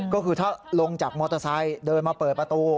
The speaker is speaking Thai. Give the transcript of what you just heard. ก็คือถ้าลงจากมอเตอร์ไซค์เดินมาเปิดประตู